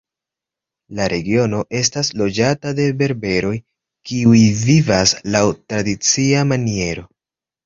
La regiono estas loĝata de berberoj kiuj vivas laŭ tradicia maniero.